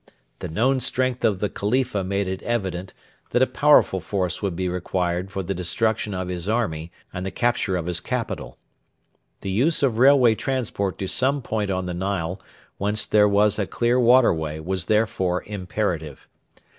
The known strength of the Khalifa made it evident that a powerful force would be required for the destruction of his army and the capture of his capital. The use of railway transport to some point on the Nile whence there was a clear waterway was therefore imperative.